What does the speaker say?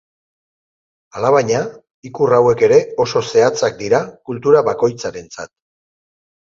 Alabaina, ikur hauek ere oso zehatzak dira kultura bakoitzarentzat.